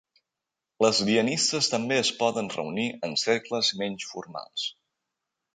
Les dianistes també es poden reunir en cercles menys formals.